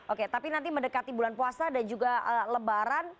oke tapi nanti mendekati bulan puasa dan juga lebaran